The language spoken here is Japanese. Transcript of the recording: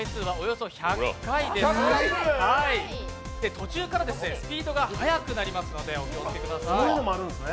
途中からスピードが速くなりますのでお気をつけください。